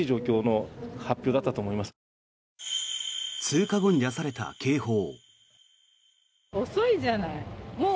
通過後に出された警報。